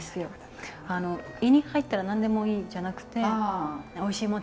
胃に入ったら何でもいいじゃなくておいしいもん